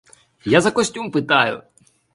Я за костюм питаю!